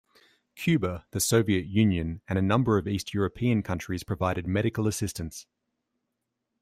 Cuba, the Soviet Union, and a number of East European countries provided medical assistance.